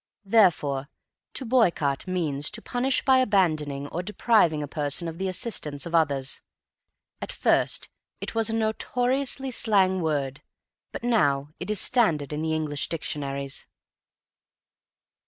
Therefore to boycott means to punish by abandoning or depriving a person of the assistance of others. At first it was a notoriously slang word, but now it is standard in the English dictionaries.